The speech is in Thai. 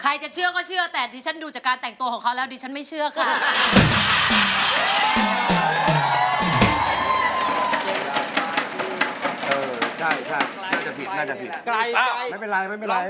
จะเชื่อก็เชื่อแต่ดิฉันดูจากการแต่งตัวของเขาแล้วดิฉันไม่เชื่อค่ะ